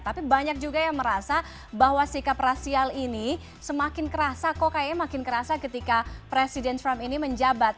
tapi banyak juga yang merasa bahwa sikap rasial ini semakin kerasa kok kayaknya makin kerasa ketika presiden trump ini menjabat